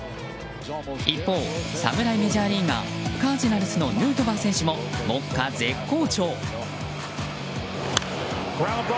一方、侍メジャーリーガーカージナルスのヌートバー選手も目下絶好調。